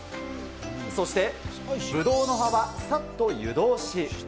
そして、ぶどうの葉はさっと湯通し。